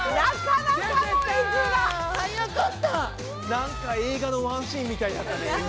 なんか映画のワンシーンみたいだったね。